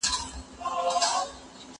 دا سينه سپينه له هغه پاکه ده